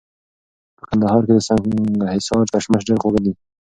په کندهار کي د سنګحصار کشمش ډېر خواږه دي